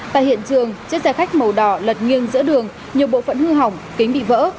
tại hiện trường chiếc xe khách màu đỏ lật nghiêng giữa đường nhiều bộ phận hư hỏng kính bị vỡ